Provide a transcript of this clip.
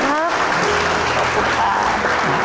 ขอบคุณค่ะ